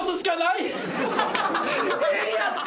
変やって！